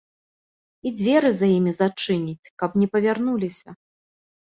І дзверы за імі зачыніць, каб не павярнуліся!